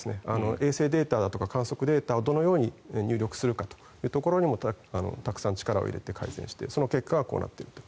衛星データとか観測データをどのように入力するかというところにもたくさん力を入れて改善してその結果がこうなっていると。